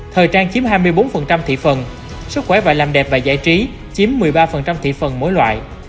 thời trang chiếm hai mươi bốn thị phần sức khỏe và làm đẹp và giải trí chiếm một mươi ba thị phần mỗi loại